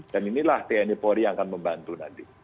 inilah tni polri yang akan membantu nanti